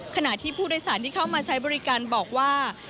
ขณะที่ผู้โดยสารที่เข้ามาใช้บริการบอกว่า